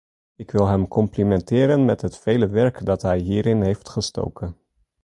Ik wil hem complimenteren met het vele werk dat hij hierin heeft gestoken.